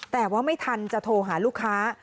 แต่ว่าไม่ทันจะโทรหาลูกค้า